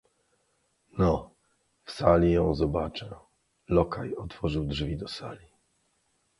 "„No, w sali ją zobaczę...“ Lokaj otworzył drzwi do sali."